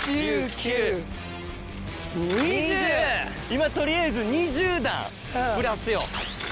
今取りあえず２０段プラスよ。